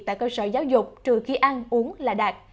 tại cơ sở giáo dục trừ khi ăn uống là đạt